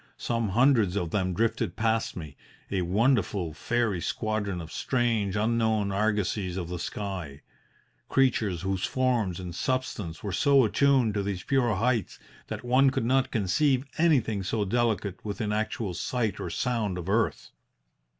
Some hundreds of them drifted past me, a wonderful fairy squadron of strange, unknown argosies of the sky creatures whose forms and substance were so attuned to these pure heights that one could not conceive anything so delicate within actual sight or sound of earth.